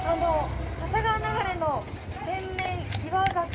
笹川流れの天然岩ガキ